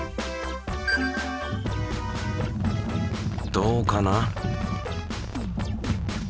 どうかな？